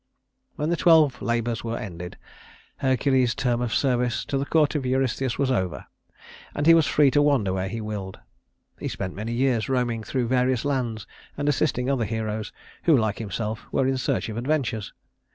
When the twelve labors were ended, Hercules's term of service at the court of Eurystheus was over, and he was free to wander where he willed. He spent many years roaming through various lands and assisting other heroes who, like himself, were in search of adventures.